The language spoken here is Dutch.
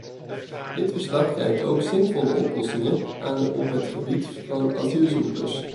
Dit verslag reikt ook zinvolle oplossingen aan op het gebied van asielzoekers.